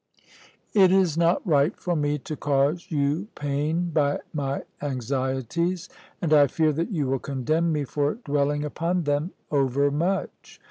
"It is not right for me to cause you pain by my anxieties; and I fear that you will condemn me for dwelling upon them overmuch.